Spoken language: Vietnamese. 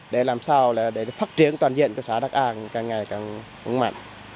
để làm sao để phát triển toàn diện của xã đắc an càng ngày càng mạnh